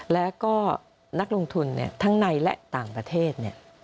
แล้วก็นักลงทุนทั้งในและต่างประเทศ